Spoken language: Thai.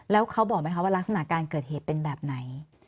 แล้วเขาบอกไหมคะว่ารักษณะการเกิดเหตุเป็นแบบไหน